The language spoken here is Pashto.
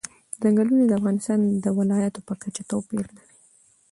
ځنګلونه د افغانستان د ولایاتو په کچه توپیر لري.